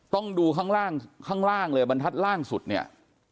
ต้องดูข้างล่างข้างล่างเลยบรรทัศน์ล่างสุดเนี่ย